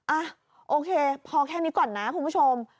อ่ะโอเคพอแค่นี้ก่อนนะคุณผู้ชม